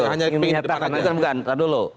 hanya ingin di depan aja